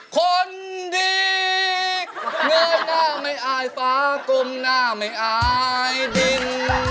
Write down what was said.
คนดีเงยหน้าไม่อายฟ้ากลมหน้าไม่อายดิน